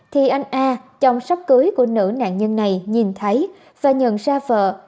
thì anh a trong sắp cưới của nữ nạn nhân này nhìn thấy và nhận ra vợ